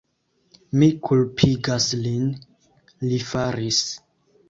Mi kulpigas lin... li faris!